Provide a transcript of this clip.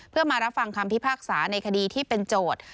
เพื่อมารับฟังคำพิพากษาในคดีที่เป็นโจทย์